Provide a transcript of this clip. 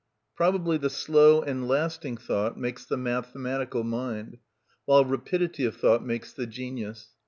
Probably the slow and lasting thought makes the mathematical mind, while rapidity of thought makes the genius.